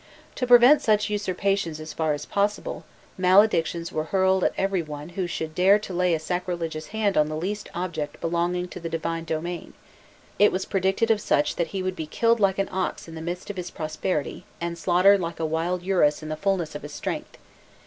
To prevent such usurpations as far as possible, maledictions were hurled at every one who should dare to lay a sacrilegious hand on the least object belonging to the divine domain; it was predicted of such "that he would be killed like an ox in the midst of his prosperity, and slaughtered like a wild urus in the fulness of his strength!...